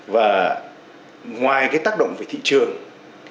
và ngoài tác động về thị trường